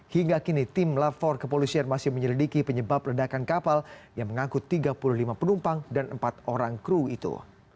hingga kini tim lafor kepolisian masih menyelidiki penyebab ledakan kapal yang mengangkut tiga puluh lima penumpang dan empat orang kru itu